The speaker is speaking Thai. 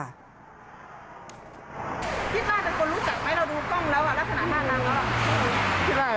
คิดว่าเป็นคนรู้จักไหมเราดูกล้องแล้วลักษณะหน้านั้นแล้ว